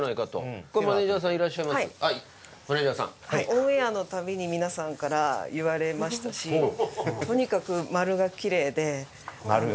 オンエアの度に皆さんから言われましたしとにかく丸がきれいで。と思ってました。